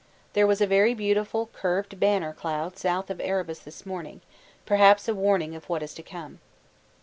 There was a very beautiful curved 'banner' cloud south of Erebus this morning, perhaps a warning of what is to come.